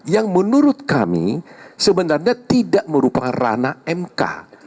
yang menurut kami sebenarnya tidak merupakan rana mk